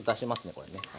これね。